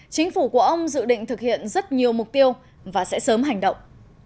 chính phủ của ông dự định thực hiện rất nhiều mục tiêu và sẽ sớm hành động